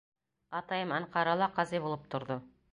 Атайым Анҡарала ҡазый булып торҙо.